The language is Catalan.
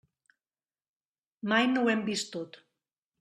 Mai no ho hem vist tot.